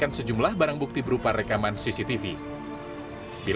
insya allah hari senin kita sudah naik sidik